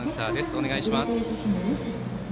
お願いします。